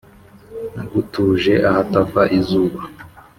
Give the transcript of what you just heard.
Nagutuje ahatava izuba,